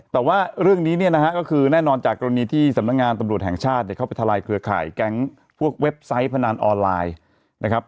แต่ว่าเรื่องนี้เนี่ยนะฮะก็คือแน่นอนจากกรณีที่สำนักงานตำรวจแห่งชาติเนี่ยเข้าไปทลายเครือข่ายแก๊งพวกเว็บไซต์พนันออนไลน์นะครับ